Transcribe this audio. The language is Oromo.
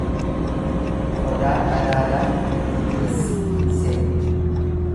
Qodaa qadaadaa titiissi hin seenu.